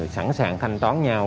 sẵn sàng thanh toán nhau